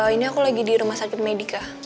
ini aku lagi di rumah sakit medica